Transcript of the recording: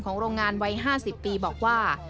โรงงานวัย๕๐ปีบอกว่า